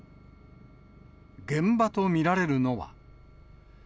現場と見られるのは。